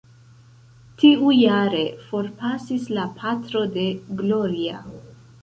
Tiujare, forpasis la patro de Gloria.